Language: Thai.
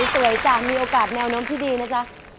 สวยจ้ะมีโอกาสแนวโน้มที่ดีนะจ๊ะ